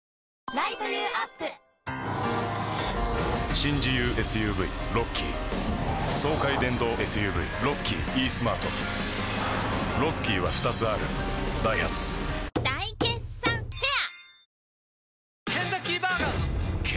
新自由ＳＵＶロッキー爽快電動ＳＵＶロッキーイースマートロッキーは２つあるダイハツ大決算フェア